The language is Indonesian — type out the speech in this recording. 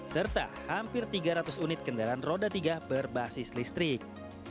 serta hampir tiga ratus unit kendaraan roda tiga berbasis listrik